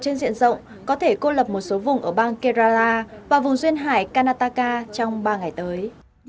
trên diện rộng có thể cô lập một số vùng ở bang karala và vùng duyên hải canataka trong ba ngày tới